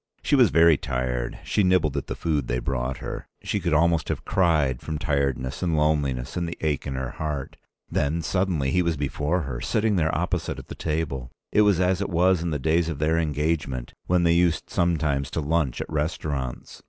She was very tired. She nibbled at the food they brought her. She could almost have cried from tiredness and loneliness and the ache in her heart. Then suddenly he was before her, sitting there opposite at the table. It was as it was in the days of their engagement, when they used sometimes to lunch at restaurants.